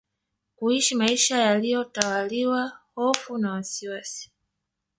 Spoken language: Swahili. kuishi maisha yaliyo tawaliwa hofu na wasiwasi